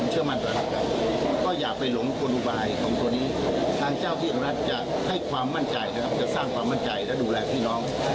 จะสร้างความมั่นใจและดูแลพี่น้องประชุม